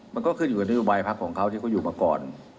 มันก็ขึ้นอยู่กับนโยบายพักของเขาที่เขาอยู่มาก่อน